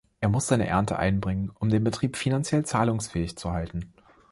Er muss seine Ernte einbringen, um den Betrieb finanziell zahlungsfähig zu halten.